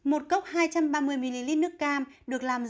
một cốc hai trăm ba mươi ml nước cam được làm rõ